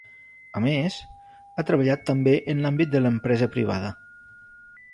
A més, ha treballat també en l'àmbit de l'empresa privada.